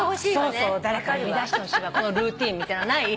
そう誰かに乱してほしいわこのルーティンみたいなのない？